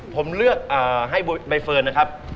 ผมเลือกให้ใบเฟิร์นนะครับ